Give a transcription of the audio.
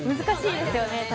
難しいですよね。